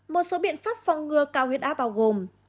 một số biện pháp phong ngừa cao huyết áp bao gồm